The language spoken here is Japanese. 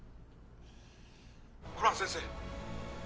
コラン先生！